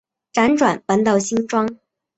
辗转搬到新庄